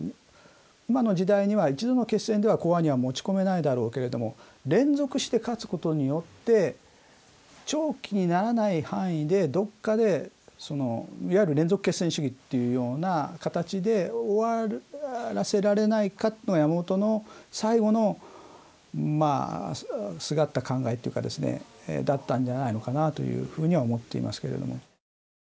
今の時代は一度の決戦では講和には持ち込めないだろうが連続して勝つ事によって長期にならない範囲でどこかでいわゆる連続決戦主義というような形で終わらせられないかというのが山本の最後のすがった考えだったんじゃないのかなというふうには思っていますけれども。